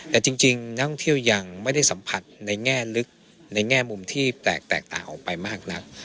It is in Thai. แต่จริงนักท่องเที่ยวยังไม่ได้สัมผัสในแง่ลึกในแง่มุมที่แปลกแตกต่างออกไปมากนัก